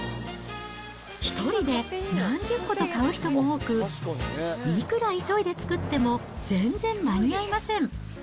１人で何十個と買う人も多く、いくら急いで作っても、全然間に合いません。